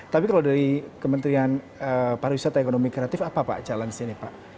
tapi kalau dari kementerian pariwisata ekonomi kreatif apa pak challenge nya pak